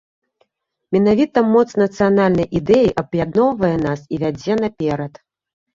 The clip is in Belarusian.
Менавіта моц нацыянальнай ідэі аб'ядноўвае нас і вядзе наперад.